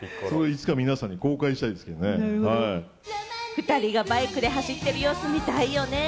２人がバイクで走っている様子、見たいよね。